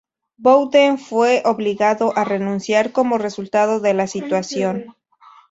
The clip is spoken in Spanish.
Bowden fue obligado a renunciar como resultado de la situación.